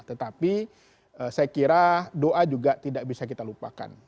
tetapi saya kira doa juga tidak bisa kita lupakan